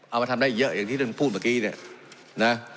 เอามาทำได้เยอะอย่างที่ท่านพูดเมื่อกี้เนี่ยนะ